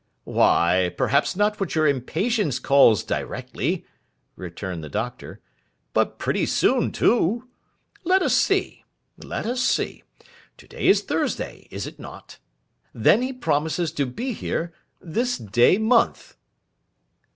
'Why, perhaps not what your impatience calls "directly,"' returned the doctor; 'but pretty soon too. Let us see. Let us see. To day is Thursday, is it not? Then he promises to be here, this day month.